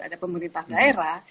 ada pemerintah daerah